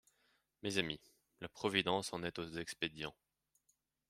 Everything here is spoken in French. Mes amis, la providence en est aux expédients.